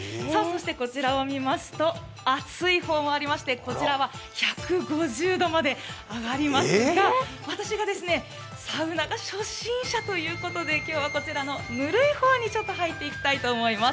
こちらを見ますと、あつい方もありまして、こちらは１５０度まで上がりますが、私がサウナが初心者ということで今日はこちらのぬるい方に入っていきたいと思います。